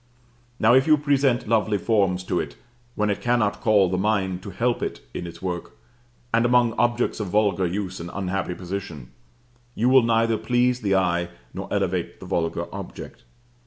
Now if you present lovely forms to it when it cannot call the mind to help it in its work, and among objects of vulgar use and unhappy position, you will neither please the eye nor elevate the vulgar object.